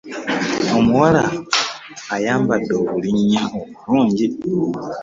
Omuwala ayambadde obulinnya obulungi.